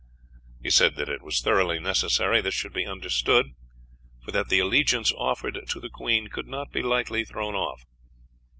He said that it was thoroughly necessary this should be understood, for that the allegiance offered to the Queen could not be lightly thrown off.